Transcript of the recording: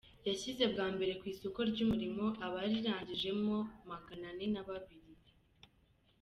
yashyize bwa mbere ku isoko ry’umurimo abarirangije mo maganane nababiri